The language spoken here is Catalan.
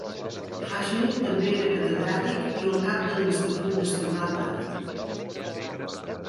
Hashmi també era catedràtic i el cap de l'Institut Nacional d'Art.